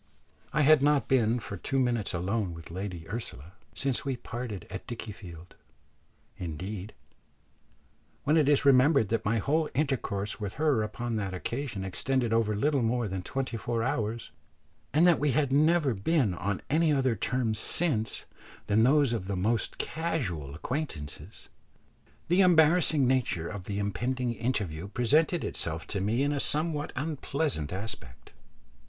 I had not been for two minutes alone with Lady Ursula since we parted at Dickiefield; indeed, when it is remembered that my whole intercourse with her upon that occasion extended over little more than twenty four hours, and that we had never been on any other terms since than those of the most casual acquaintances, the embarrassing nature of the impending interview presented itself to me in a somewhat unpleasant aspect.